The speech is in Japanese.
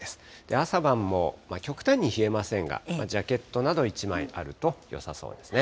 朝晩も極端に冷えませんが、ジャケットなど１枚あるとよさそうですね。